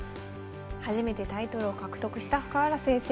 初めてタイトルを獲得した深浦先生。